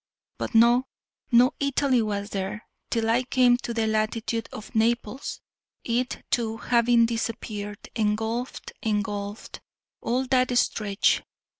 But no: no Italy was there, till I came to the latitude of Naples, it, too, having disappeared, engulfed, engulfed, all that stretch.